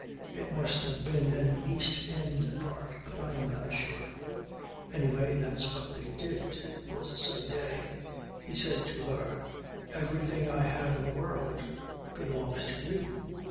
It must have been an East End park but I am not sure. Anyway that's what they did. It was a sunny day. He said to her: "Everything I have in the world belongs to you.